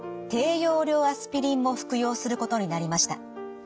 低用量アスピリンも服用することになりました。